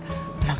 ih yakin banget